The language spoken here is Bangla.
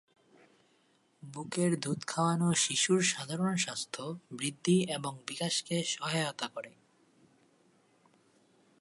বুকের দুধ খাওয়ানো শিশুর সাধারণ স্বাস্থ্য, বৃদ্ধি এবং বিকাশকে সহায়তা করে।